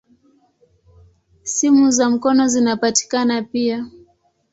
Simu za mkono zinapatikana pia.